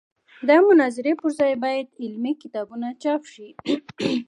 د مناظرې پر ځای باید علمي کتابونه چاپ شي.